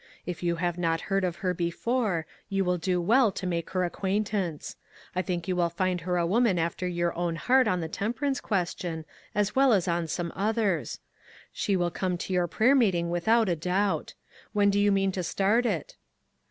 If you have not heard of her before, you will do well to make her acquaintance. I think you will find her a woman after your own heart on the tem perance question, as well as on some others. She will come to your prayer meeting with out a doubt. When do you mean to start it?"